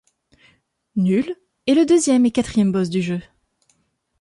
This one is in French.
Null est le deuxième et quatrième boss du jeu.